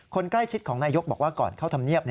คนใกล้ชิดของนายกบอกว่าก่อนเข้าธรรมเนียบ